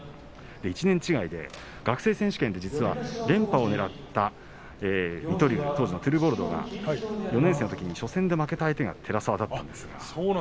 １年違いで学生選手権で連覇をねらった水戸龍当時トゥルボルドが４年生のときに初戦で負けた相手が寺沢だったんです。